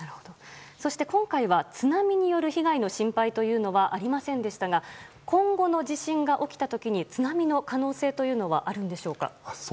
そして今回は津波による被害の心配はありませんでしたが今後の地震が起きた時に津波の可能性というのはあるんでしょうか？